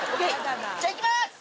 じゃあ、いきます！